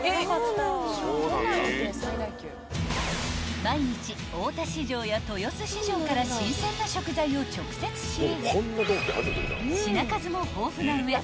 ［毎日大田市場や豊洲市場から新鮮な食材を直接仕入れ］